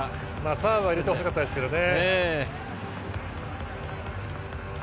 サーブは入れてほしかったですね。